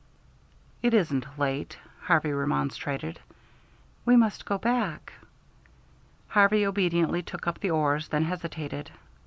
"It isn't late," Harvey remonstrated. "We must go back." Harvey obediently took up the oars, then hesitated.